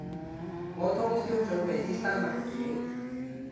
我通宵準備啲新文件